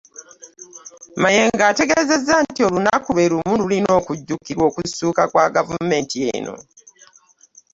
Mayengo ategeezezza nti olunaku lwa Luwum lulina okujjukirwa okusukka ku gavumenti eno